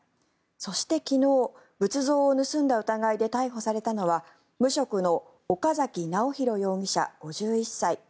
そして、昨日仏像を盗んだ疑いで逮捕されたのは無職の岡崎尚弘容疑者５１歳。